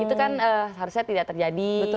itu kan harusnya tidak terjadi